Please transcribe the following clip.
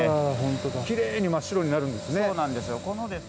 きれいに真っ白になるんですね。